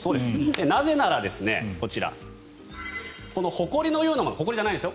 なぜならこちらこのほこりのようなものほこりじゃないんですよ。